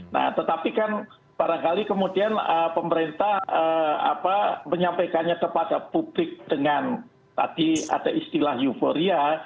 nah tetapi kan barangkali kemudian pemerintah menyampaikannya kepada publik dengan tadi ada istilah euforia